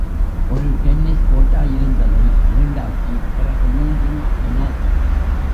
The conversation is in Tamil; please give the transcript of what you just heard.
ஒரு டென்னிஸ் கோர்ட்டாயிருந்ததை, இரண்டாக்கி, பிறகு மூன்றும் ஆக்கினோம்.